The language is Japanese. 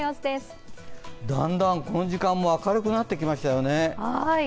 だんだんこの時間も明るくなってきましたよね。